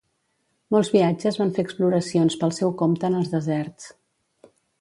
Molts viatges van fer exploracions pel seu compte en els deserts.